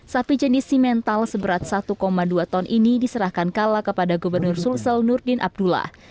sapi jenis simental seberat satu dua ton ini diserahkan kala kepada gubernur sulsel nurdin abdullah